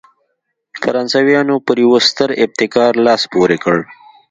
فرانسویانو پر یوه ستر ابتکار لاس پورې کړ.